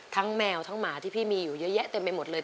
แมวทั้งหมาที่พี่มีอยู่เยอะแยะเต็มไปหมดเลย